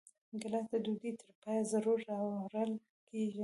ګیلاس د ډوډۍ تر پایه ضرور راوړل کېږي.